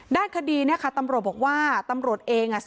ด้านคดีเนี่ยค่ะตำรวจบอกว่าตำรวจเอง